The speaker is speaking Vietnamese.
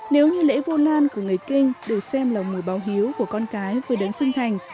nếu như lễ vô lan của người kinh được xem là mùi báo hiếu của con cái vừa đến sinh thành